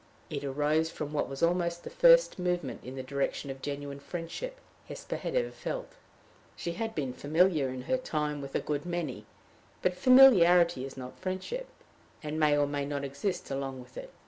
It arose from what was almost the first movement in the direction of genuine friendship Hesper had ever felt. She had been familiar in her time with a good many, but familiarity is not friendship, and may or may not exist along with it.